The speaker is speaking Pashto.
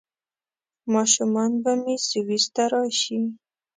ماشومان به مې سویس ته راشي؟